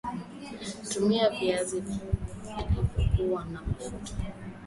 Tumia viazi visivyokua na mafuta